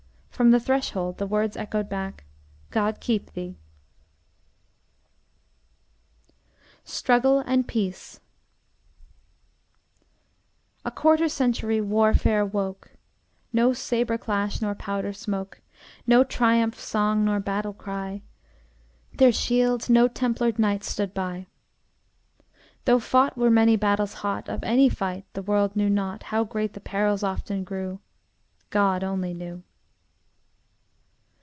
From the threshold the words echoed back, "God keep thee!" Translation of Miss H. Geist. STRUGGLE AND PEACE A quarter century warfare woke No sabre clash nor powder smoke, No triumph song nor battle cry; Their shields no templared knights stood by. Though fought were many battles hot, Of any fight the world knew not How great the perils often grew God only knew.